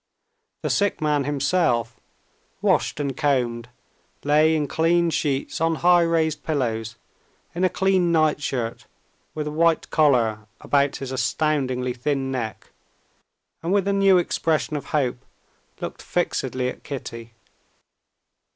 The sick man himself, washed and combed, lay in clean sheets on high raised pillows, in a clean night shirt with a white collar about his astoundingly thin neck, and with a new expression of hope looked fixedly at Kitty.